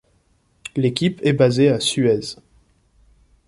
L'équipe est basée à Suez.